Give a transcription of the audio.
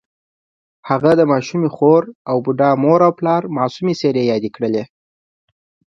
هغه د ماشومې خور او بوډا مور او پلار معصومې څېرې یادې کړې